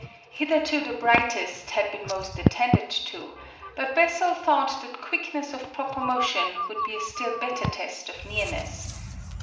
Hitherto the brightest had been most attended to, but Bessel thought that quickness of proper motion would be a still better test of nearness.